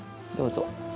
どうぞ。